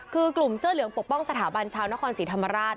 คือกลุ่มเสื้อเหลืองปกป้องสถาบันชาวนครศรีธรรมราช